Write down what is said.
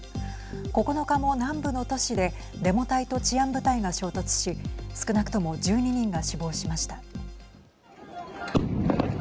９日も南部の都市でデモ隊と治安部隊が衝突し少なくとも１２人が死亡しました。